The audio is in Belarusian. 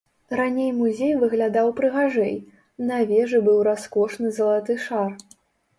Раней музей выглядаў прыгажэй, на вежы быў раскошны залаты шар.